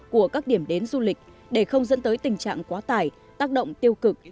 của các điểm đến du lịch để không dẫn tới tình trạng quá tải tác động tiêu cực